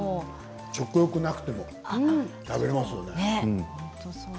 食欲がなくても食べられますね。